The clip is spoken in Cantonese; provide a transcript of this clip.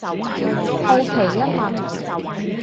好奇一問